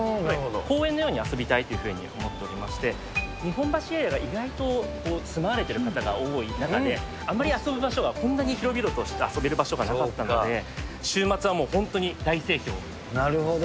公園のように遊びたいというふうに思っておりまして、日本橋エリアが意外と住まれてる方が多い中で、あまり遊ぶ場所は、こんなに広々とした遊べる場所がなかったので、週末はもう本当に大盛況でなるほど。